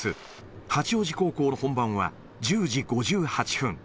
八王子高校の本番は１０時５８分。